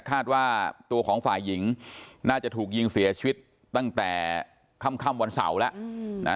คาดว่าตัวของฝ่ายหญิงน่าจะถูกยิงเสียชีวิตตั้งแต่ค่ำวันเสาร์แล้วนะ